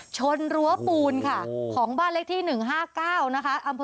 รั้วปูนค่ะของบ้านเลขที่๑๕๙นะคะ